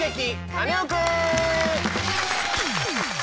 カネオくん」！